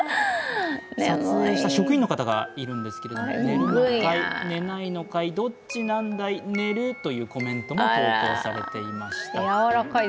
撮影した職員の方がいるんですが、寝るのかい、寝ないのかいどっちなのかいというコメントも投稿されていました。